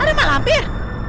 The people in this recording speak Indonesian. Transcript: ada mak lampir